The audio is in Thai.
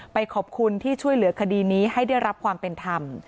ไปขอบคุณที่ช่วยเหลือคดีนี้ให้ได้รับความเป็นธรรม